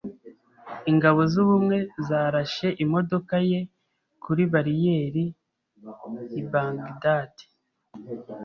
Ingabo z’ubumwe zarashe imodoka ye kuri bariyeri i Bagdad.